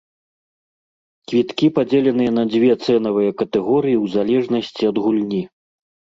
Квіткі падзеленыя на дзве цэнавыя катэгорыі ў залежнасці ад гульні.